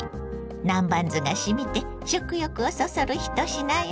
南蛮酢がしみて食欲をそそる一品よ。